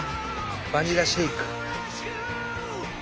バニラシェイク。